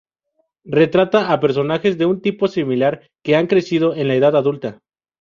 Retrata a personajes de un tipo similar que han crecido en la edad adulta.